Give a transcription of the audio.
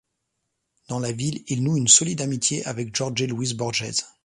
Dans la ville, il noue une solide amitié avec Jorge Luis Borges.